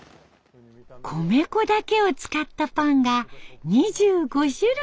米粉だけを使ったパンが２５種類。